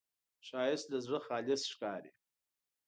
ښایست له زړه خالص ښکاري